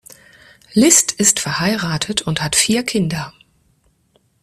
List ist verheiratet und hat vier Kinder.